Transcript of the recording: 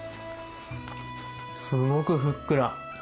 すごくふっくら。